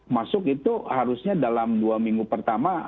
masuk itu harusnya dalam dua minggu pertama